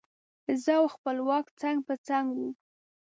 زه او خپلواک څنګ په څنګ وو.